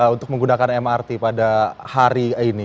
untuk menggunakan mrt pada hari ini